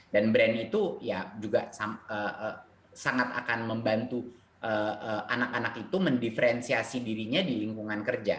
dan brand itu ya juga sangat akan membantu anak anak itu mendiferensiasi dirinya di lingkungan kerja